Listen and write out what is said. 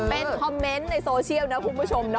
เป็นคอมเมนต์ในโซเชียลนะคุณผู้ชม